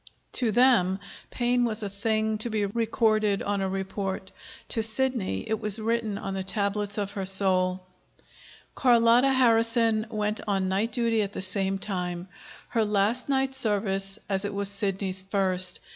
To them, pain was a thing to be recorded on a report; to Sidney, it was written on the tablets of her soul. Carlotta Harrison went on night duty at the same time her last night service, as it was Sidney's first.